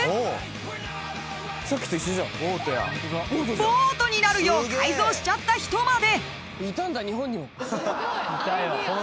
［ボートになるよう改造しちゃった人まで］